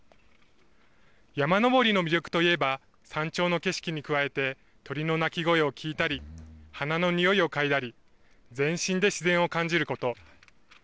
山登りの魅力といえば、山頂の景色に加えて、鳥の鳴き声を聞いたり、花の匂いを嗅いだり、全身で自然を感じること。